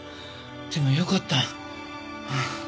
でもよかった。